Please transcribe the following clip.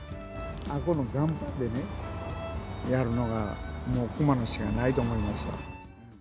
あそこの岩盤でね、やるのがもう熊野しかないと思います。